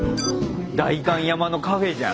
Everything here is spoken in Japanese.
代官山のカフェじゃん。